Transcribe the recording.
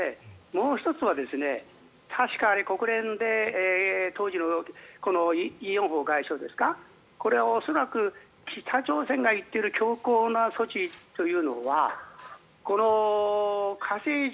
もう１つは確か国連で当時の外相がこれは恐らく北朝鮮が言っている強硬な措置というのはこの火星